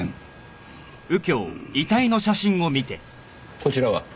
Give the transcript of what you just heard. こちらは？